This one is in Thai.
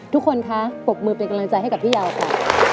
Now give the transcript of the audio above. ทุกคนคะปรบมือเป็นกำลังใจให้กับพี่ยาวค่ะ